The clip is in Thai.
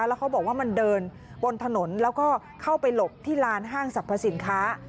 แล้วเขาบอกว่ามันเดินบนถนนแล้วก็เข้าไปหลบที่ลานห้างสรรพสินค้า